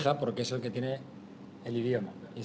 karena dia yang memiliki bahasa